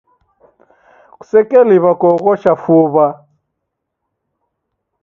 Kusekeliw'a kuoghosha fuw'a.